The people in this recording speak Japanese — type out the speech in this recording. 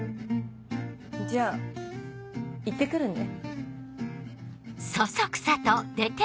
じゃあ行ってくるね。